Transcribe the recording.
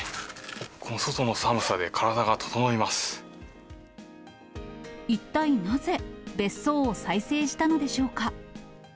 この外の寒さで、一体なぜ、別荘を再生したのでしょうか。